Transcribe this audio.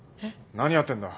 何やってんだ。